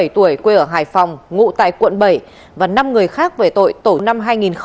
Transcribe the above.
bốn mươi bảy tuổi quê ở hải phòng ngụ tại quận bảy và năm người khác về tội tổ năm hai nghìn hai mươi